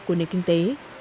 của nền kinh tế